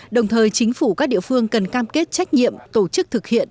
đồng thời chính phủ các địa phương cần cam kết trách nhiệm tổ chức thực hiện